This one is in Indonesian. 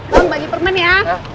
bang bagi permen ya